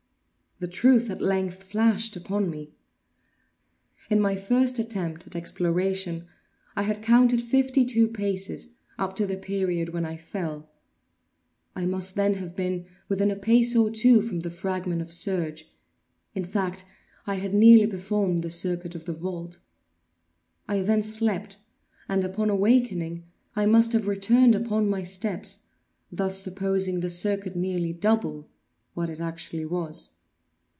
The truth at length flashed upon me. In my first attempt at exploration I had counted fifty two paces, up to the period when I fell; I must then have been within a pace or two of the fragment of serge; in fact, I had nearly performed the circuit of the vault. I then slept—and, upon awaking, I must have returned upon my steps—thus supposing the circuit nearly double what it actually was.